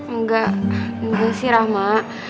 enggak enggak sih rahma